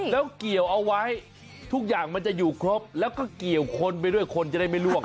แล้วเกี่ยวเอาไว้ทุกอย่างมันจะอยู่ครบแล้วก็เกี่ยวคนไปด้วยคนจะได้ไม่ล่วง